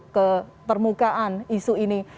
ke permukaan isu ini